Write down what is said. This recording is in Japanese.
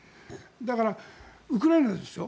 だから、ウクライナですよ。